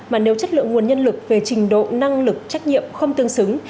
mà nếu chất lượng nguồn nhân lực về trình độ năng lực trách nhiệm không tương xứng